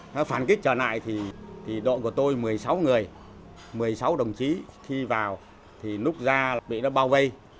nó phản kích trở lại thì đội của tôi một mươi sáu người một mươi sáu đồng chí khi vào thì lúc ra bị nó bao vây